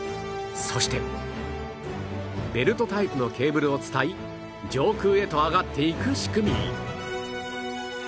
そしてベルトタイプのケーブルを伝い上空へと上がっていく仕組み